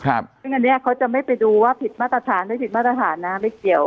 ซึ่งอันนี้เขาจะไม่ไปดูว่าผิดมาตรฐานหรือผิดมาตรฐานนะไม่เกี่ยว